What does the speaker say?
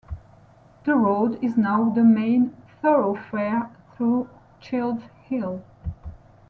The road is now the main thoroughfare through Childs Hill.